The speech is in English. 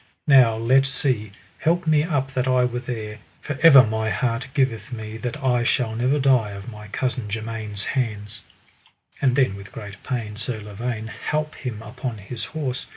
Now let see, help me up that I were there, for ever my heart giveth me that I shall never die of my cousin germain's hands. And then with great pain Sir Lavaine halp him upon his horse.